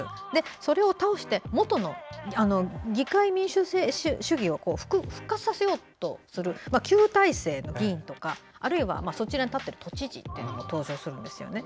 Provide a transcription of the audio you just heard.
それを倒してもとの議会民主主義を復活させようとする旧体制の議員とかあるいは都知事が登場するんですよね。